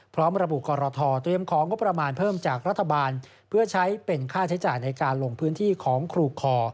พร้อมระบุกรทเตรียมของงบประมาณเพิ่มจากรัฐบาลเพื่อใช้เป็นค่าใช้จ่ายในการลงพื้นที่ของครูคอ